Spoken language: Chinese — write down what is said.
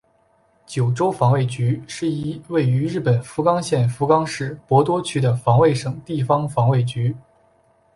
九州防卫局是一位于日本福冈县福冈市博多区的防卫省地方防卫局。